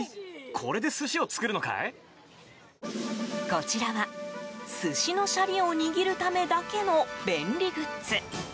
こちらは、寿司のシャリを握るためだけの便利グッズ。